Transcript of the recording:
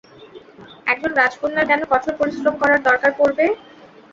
একজন রাজকন্যার কেন কঠোর পরিশ্রম করার দরকার পড়বে?